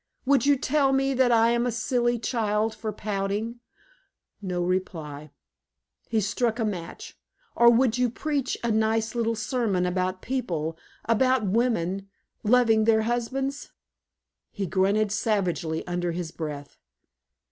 "Would you tell me that I am a silly child for pouting?" No reply; he struck a match. "Or would you preach a nice little sermon about people about women loving their husbands?" He grunted savagely under his breath.